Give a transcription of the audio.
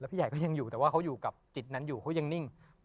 พี่ใหญ่ก็ยังอยู่แต่ว่าเขาอยู่กับจิตนั้นอยู่เขายังนิ่ง